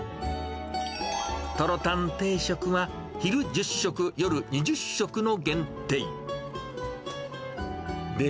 トロたん定食は、昼１０食、夜２０食の限定。